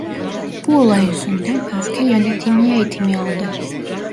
Bu olay yüzünden öfke yönetimi eğitimi aldı.